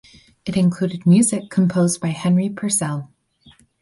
It included music composed by Henry Purcell.